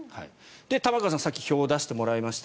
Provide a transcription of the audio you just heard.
玉川さん、さっき表を出してもらいました。